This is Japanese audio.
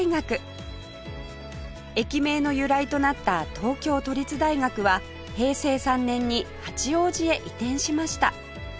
駅名の由来となった東京都立大学は平成３年に八王子へ移転しました